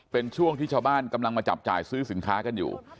เป็นช่วงที่ชาวบ้านกำลังมาจับจ่ายซื้อสินค้ากันอยู่